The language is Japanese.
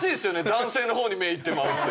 男性の方に目行ってまうって。